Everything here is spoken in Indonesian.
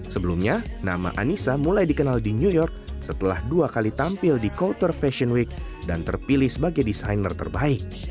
sebelumnya nama anissa mulai dikenal di new york setelah dua kali tampil di kolter fashion week dan terpilih sebagai desainer terbaik